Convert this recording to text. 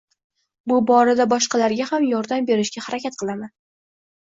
Bu borada boshqalarga ham yordam berishga harakat qilaman.